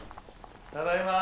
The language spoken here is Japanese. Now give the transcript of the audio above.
ただいま。